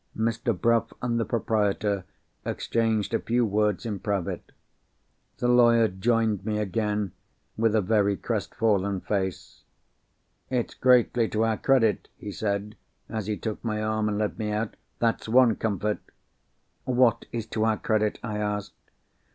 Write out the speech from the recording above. Mr. Bruff and the proprietor exchanged a few words in private. The lawyer joined me again, with a very crestfallen face. "It's greatly to our credit," he said, as he took my arm, and led me out—"that's one comfort!" "What is to our credit?" I asked. "Mr.